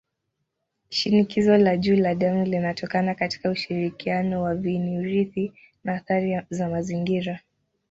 Shinikizo la juu la damu linatokana katika ushirikiano wa viini-urithi na athari za mazingira.